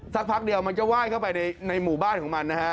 สักพักเดียวมันก็ไห้เข้าไปในหมู่บ้านของมันนะฮะ